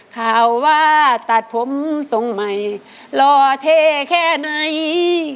ข่าวว่าตัดผมทรงใหม่ล่อเท่แค่ไหน